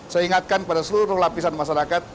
saya ingatkan pada seluruh lapisan masyarakat